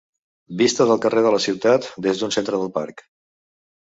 Vista del carrer de la ciutat des d'un centre del parc.